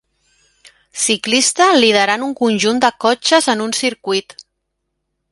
ciclista liderant un conjunt de cotxes en un circuit.